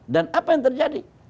dan apa yang terjadi